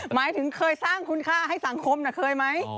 หมายถึงเคยสร้างคุณค่าให้สังคมเคยไหม